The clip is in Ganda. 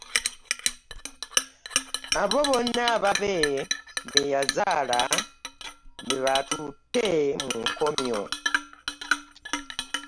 Abo bonna ababe be yazaala be batutte mu nkomyo.